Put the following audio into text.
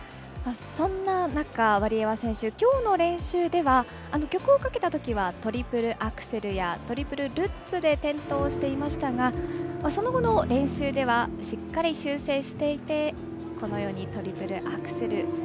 そんな中、ワリエワ選手きょうの練習では曲をかけたときはトリプルアクセルやトリプルルッツで転倒していましたがその後の練習ではしっかり修正していてトリプルアクセル